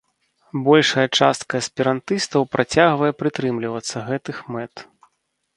Большая частка эсперантыстаў працягвае прытрымлівацца гэтых мэт.